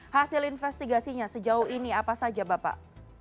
hasil investigasinya sejauh ini apa saja bapak